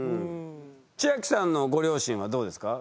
千明さんのご両親はどうですか？